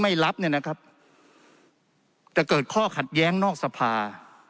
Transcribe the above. รับเนี่ยนะครับจะเกิดข้อขัดแย้งนอกสภา